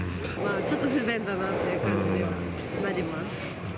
ちょっと不便だなって感じにはなります。